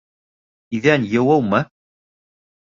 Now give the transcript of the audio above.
Иҙән йыуыумы?